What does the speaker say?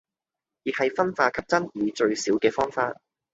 亦係分化及爭議最少既方法